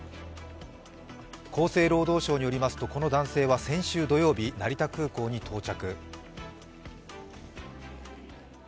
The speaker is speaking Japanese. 厚生労働省によりますとこの男性は先週土曜日成田空港に到着。